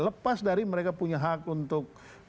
lepas dari mereka punya hak untuk